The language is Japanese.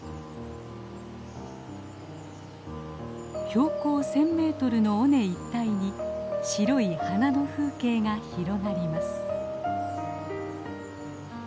標高１，０００メートルの尾根一帯に白い花の風景が広がります。